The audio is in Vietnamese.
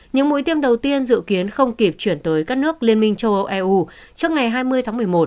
những mũi tiêm đầu tiên dự kiến không kịp chuyển tới các nước liên minh châu âu eu trước ngày hai mươi tháng một mươi một